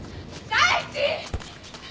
大地！